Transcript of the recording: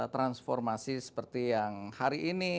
transformasi seperti yang hari ini